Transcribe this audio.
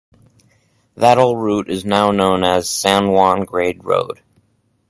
That old route is now known as San Juan Grade Road.